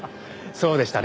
そうでしたね。